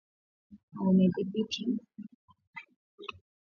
Wamedhibithi sehemu zaidi ya kumi na nne.